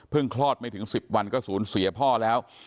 คลอดไม่ถึง๑๐วันก็สูญเสียพ่อแล้ว